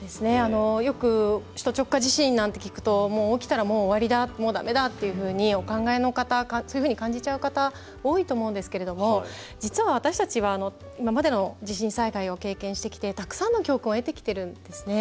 よく首都直下地震なんて聞くと起きたら、もう終わりだだめだとお考えの方そういうふうに感じちゃう方多いと思うんですが実は私たちは今までの地震災害を経験してきてたくさんの教訓を得てきているんですね。